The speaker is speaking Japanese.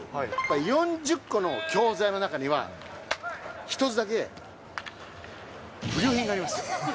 ４０個の教材の中には、１つだけ不良品があります。